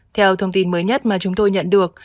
theo thông tin mới nhất mà chúng tôi nhận được